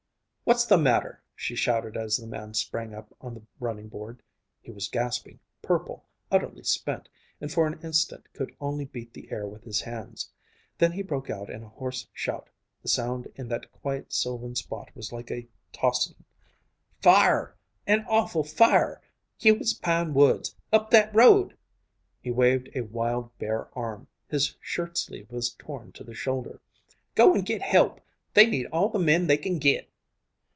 "What's the matter?" she shouted as the man sprang up on the running board. He was gasping, purple, utterly spent, and for an instant could only beat the air with his hands. Then he broke out in a hoarse shout the sound in that quiet sylvan spot was like a tocsin: "Fire! An awful fire! Hewitt's pine woods up that road!" He waved a wild, bare arm his shirt sleeve was torn to the shoulder. "Go and git help. They need all the men they can git!"